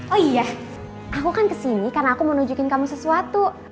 oh iya aku kan kesini karena aku mau nunjukin kamu sesuatu